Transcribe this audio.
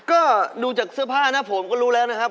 ก็ดูจากเสื้อผ้านะผมก็รู้แล้วนะครับ